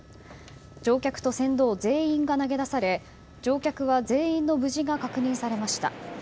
乗客と船頭全員が投げ出され乗客は全員の無事が確認されました。